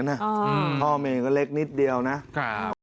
พ่อเมย์ก็เล็กนิดเดียวนะครับ